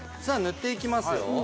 さあ塗っていきますよ